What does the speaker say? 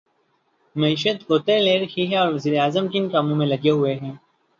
معیشت غوطے لے رہی ہے اور وزیر اعظم کن کاموں میں لگے ہوئے ہیں۔